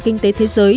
kinh tế thế giới